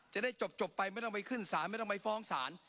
จะได้จบไปไม่ต้องไปขึ้นศาลไม่ต้องไปฟ้องศาล